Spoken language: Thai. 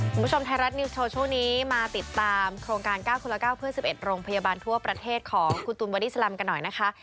ไทยรัฐนิวสโชว์ช่วงนี้มาติดตามโครงการ๙คนละ๙เพื่อ๑๑โรงพยาบาลทั่วประเทศของคุณตูนบอดี้สลัมกันหน่อยนะคะ